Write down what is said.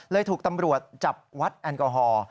ถูกตำรวจจับวัดแอลกอฮอล์